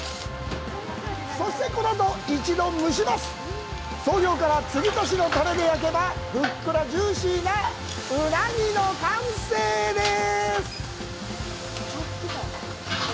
そしてこのあと一度蒸します創業からつぎ足しのたれで焼けばふっくらジューシーなうなぎの完成です！